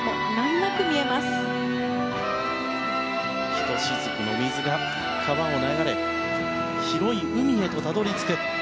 ひとしずくの水が川を流れ広い海へとたどり着く。